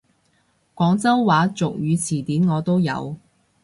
廣州話俗語詞典我都有！